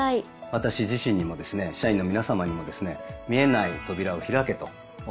私自身にもですね社員の皆さまにもですね「見えない扉を開け」というふうに言い聞かせております。